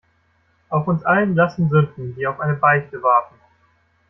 Auf uns allen lasten Sünden, die auf eine Beichte warten.